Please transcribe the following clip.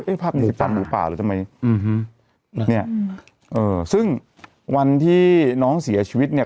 เอ้ยภาพสิบสามหมูป่าหรอจำไมอืมเนี้ยเอ่อซึ่งวันที่น้องเสียชีวิตเนี้ย